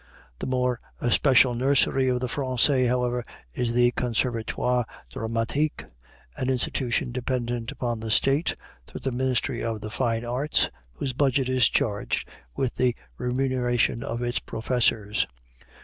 The more especial nursery of the Français, however, is the Conservatoire Dramatique, an institution dependent upon the State, through the Ministry of the Fine Arts, whose budget is charged with the remuneration of its professors.